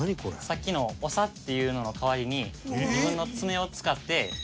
さっきの筬っていうのの代わりに自分の爪を使って。